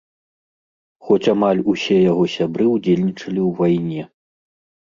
Хоць амаль усе яго сябры ўдзельнічалі ў вайне.